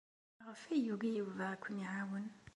Maɣef ay yugi Yuba ad ken-iɛawen?